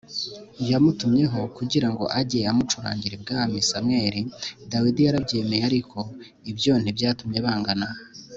Yamutumyeho kugira ngo ajye amucurangira ibwami samweli dawidi yarabyemeye ariko ibyo ntibyatumye bangana